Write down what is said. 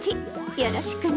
よろしくね。